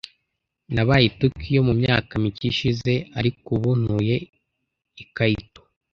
Nabaye i Tokiyo mu myaka mike ishize, ariko ubu ntuye i Kyoto.